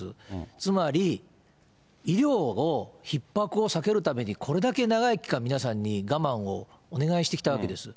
つまり、医療をひっ迫を避けるために、これだけ長い期間、皆さんに我慢をお願いしてきたわけです。